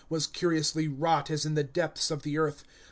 Was curiously wrought [as] in the depths of the earth.